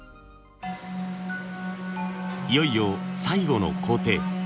いよいよ最後の工程。